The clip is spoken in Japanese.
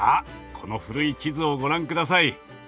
この古い地図をご覧ください。